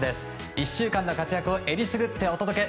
１週間の活躍を選りすぐってお届け！